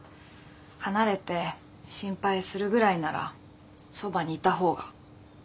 離れて心配するぐらいならそばにいた方が。